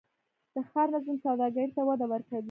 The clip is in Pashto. د ښار نظم سوداګرۍ ته وده ورکوي؟